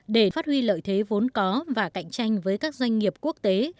để phát huy lợi thế vốn có và cạnh tranh với các doanh nghiệp quốc tế